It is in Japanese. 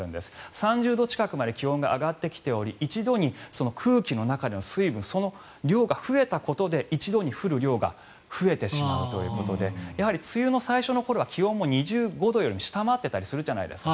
３０度近くまで気温が上がってきており一度に空気の中の水分のその量が増えたことで一度に降る量が増えてしまうということで梅雨の最初の頃は気温も２５度より下回っていることがあるじゃないですか。